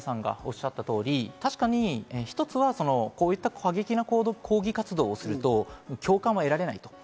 今、皆さんがおっしゃった通り、一つはこういった過激な抗議活動すると共感を得られないと。